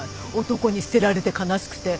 男に捨てられて悲しくて。